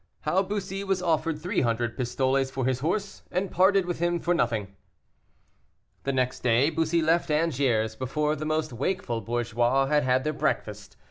HOW BUSSY WAS OFFERED THREE HUNDRED PISTOLES FOR HIS HORSE, AND PARTED WITH HIM FOR NOTHING. The next day, Bussy left Angers before the most wakeful bourgeois had had their breakfast.